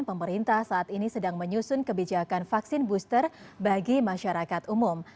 pemerintah saat ini sedang menyusun kebijakan vaksin booster bagi masyarakat umum